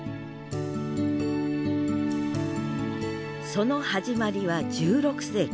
その始まりは１６世紀。